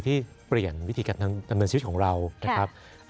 ที่เปลี่ยนวิธีการดำเนินชีวิตของเรานะครับ